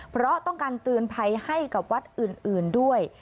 เพราะต้องการเตือนภัยให้กับวัดอื่นด้วย